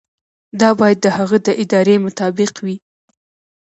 دا باید د هغه د ارادې مطابق وي.